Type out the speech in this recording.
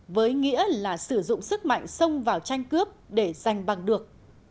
với nghĩa là sử dụng sức mạnh xông vào tranh cướp để giành bằng được